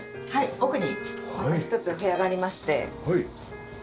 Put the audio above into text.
奥にまた１つお部屋がありまして。